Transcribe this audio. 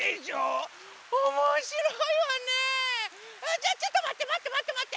じゃあちょっとまってまってまってまって。